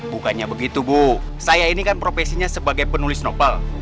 bukannya begitu bu saya ini kan profesinya sebagai penulis nopel